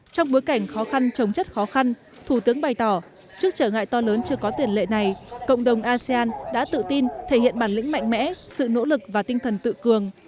trong bối cảnh khó khăn chống chất khó khăn thủ tướng bày tỏ trước trở ngại to lớn chưa có tiền lệ này cộng đồng asean đã tự tin thể hiện bản lĩnh mạnh mẽ sự nỗ lực và tinh thần tự cường